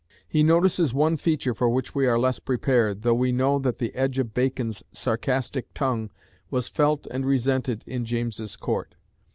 He notices one feature for which we are less prepared, though we know that the edge of Bacon's sarcastic tongue was felt and resented in James's Court.